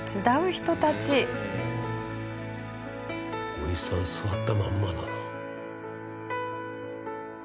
おじさん座ったまんまだな。